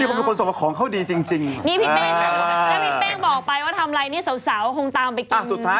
เอออยากเห็นคนไหนอีกบอกมา